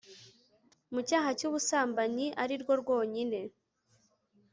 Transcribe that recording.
mu cyaha cy'ubusambanyi, ari rwo rwonyine